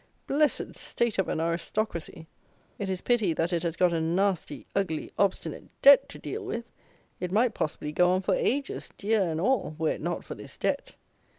Blessed state of an Aristocracy! It is pity that it has got a nasty, ugly, obstinate DEBT to deal with! It might possibly go on for ages, deer and all, were it not for this DEBT.